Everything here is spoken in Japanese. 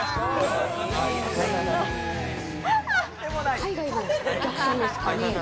海外のお客さんですかね？